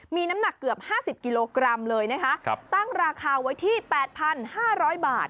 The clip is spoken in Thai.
มีน้ำหนักเกือบ๕๐กิโลกรัมเลยนะคะตั้งราคาไว้ที่๘๕๐๐บาท